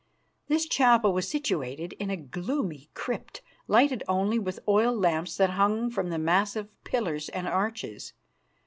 This chapel was situated in a gloomy crypt, lighted only with oil lamps that hung from the massive pillars and arches.